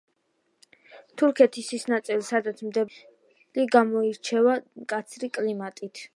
თურქეთის ის ნაწილი სადაც მდებარეობს დამალი გამოირჩევა მკაცრი კლიმატით.